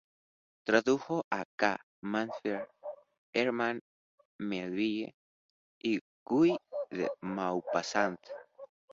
Tradujo a K. Mansfield, Herman Melville y Guy de Maupassant.